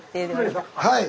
はい。